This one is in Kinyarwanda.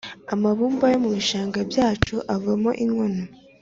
amabumba yo mu bishanga byacu avamo inkono